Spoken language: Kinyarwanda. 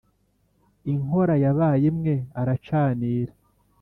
Inkora yabaye imwe aracanira